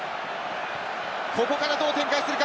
ここからどう展開するか？